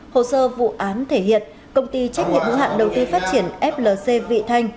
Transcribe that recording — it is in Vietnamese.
hồ sơ vụ án thể hiện công ty trách nhiệm hữu hạn đầu tư phát triển flc vị thanh